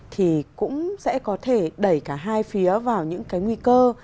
thì cũng sẽ có thể đẩy cả hai phía vào những cái nguy cơ